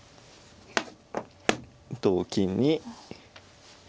同金に。